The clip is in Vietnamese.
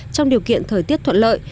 trong điều kiện thời tiết thuận lợi